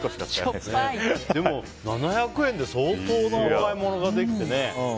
でも７００円で相当なお買い物ができてね。